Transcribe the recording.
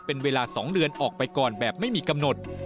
เป็นเวลา๒เดือนออกไปก่อนแบบไม่มีกำหนด